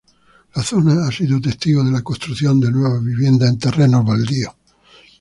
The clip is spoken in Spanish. La zona ha sido testigo de la construcción de nuevas viviendas en terrenos baldíos.